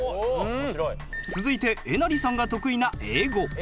続いてえなりさんが得意な英語。